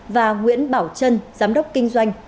và nguyễn bảo trân giám đốc kinh doanh